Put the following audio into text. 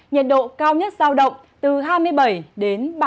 nhiệt độ cao nhất giao động từ hai mươi bảy đến ba mươi độ